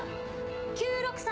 ９６３！